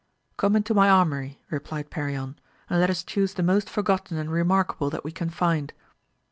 Come into my armoury, replied Perion, and let us chuse the most forgotten and remarkable that we can find.